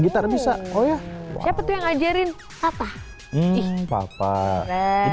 kita bisa kayak siapa tuh yang ngajarinbya atau processing papa kowe kowe kowe multiple kowe vapo